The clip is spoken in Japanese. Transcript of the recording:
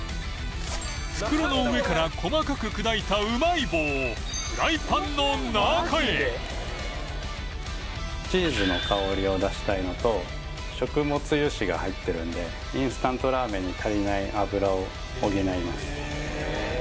袋の上から細かく砕いたうまい棒をフライパンの中へチーズの香りを出したいのと食物油脂が入ってるんでインスタントラーメンに足りない油を補います